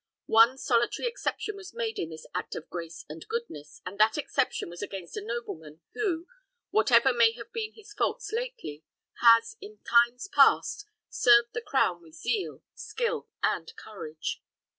One solitary exception was made in this act of grace and goodness, and that exception was against a nobleman who, whatever may have been his faults lately, has, in times past, served the crown with zeal, skill, and courage."